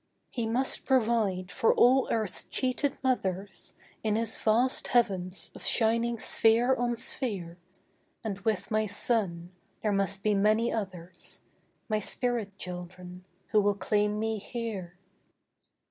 He must provide for all earth's cheated mothers In His vast heavens of shining sphere on sphere, And with my son, there must be many others— My spirit children who will claim me here.